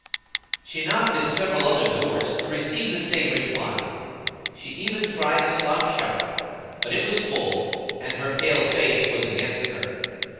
She knocked at several other doors, to receive the same reply. She even tried a slop shop, but it was full, and her pale face was against her.